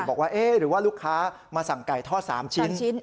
บอกว่าเอ๊ะหรือว่าลูกค้ามาสั่งไก่ทอด๓ชิ้น